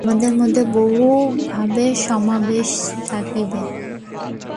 আমাদের মধ্যে বহু ভাবের সমাবেশ থাকিবে।